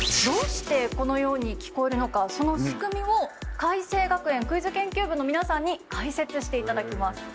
どうしてこのように聞こえるのかその仕組みを開成学園クイズ研究部の皆さんに解説していただきます。